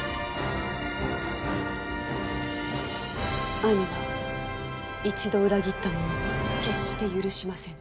兄は一度裏切った者を決して許しませぬ。